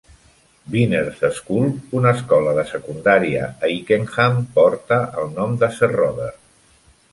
Vyners School, una escola de secundària a Ickenham, porta el nom de Sir Robert.